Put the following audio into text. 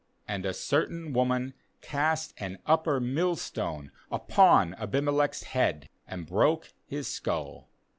wAnd a certain woman cast an upper millstone upon Abimelech's head, and broke his skull.